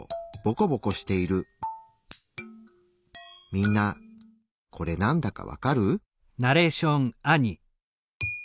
みんなこれなんだかわかる？